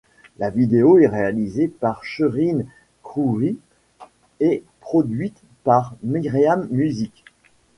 La vidéo est réalisée par Cherine Khoury et produite par Myriam Music.